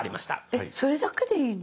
えっそれだけでいいの？